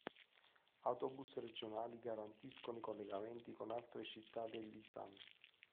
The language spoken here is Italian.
Autobus regionali garantiscono i collegamenti con altre città dell'Isan.